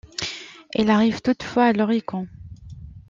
Il arrive toutefois à l'Oricon.